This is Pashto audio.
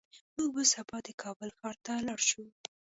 موږ به سبا د کابل ښار ته لاړ شو